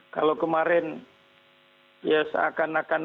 kalau kemarin ya seakan akan